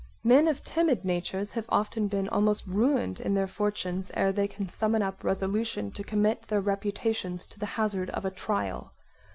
Men of timid natures have often been almost ruined in their fortunes ere they can summon up resolution to commit their reputations to the hazard of a trial.